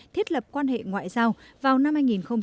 thiết lập quan hệ ngoại giao vào năm hai nghìn hai mươi